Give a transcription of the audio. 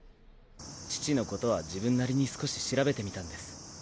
父の事は自分なりに少し調べてみたんです。